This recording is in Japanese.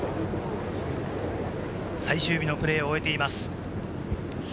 最終日のプレーを終えています。